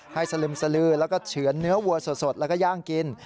สลึมสลือแล้วก็เฉือนเนื้อวัวสดแล้วก็ย่างกิน